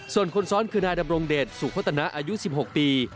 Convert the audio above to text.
ส่วนคนซ้อนคือนายดำรงเดชสุพัฒนาอายุ๑๖ปี